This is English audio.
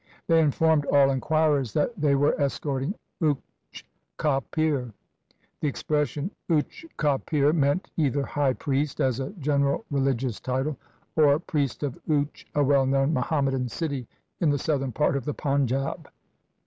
They informed all inquirers that they were escorting Uch ka Pir. The expression Uch ka Pir meant either high priest as a general religious title, or priest of Uch, a well known Muhammadan city in the southern part of the Panjab.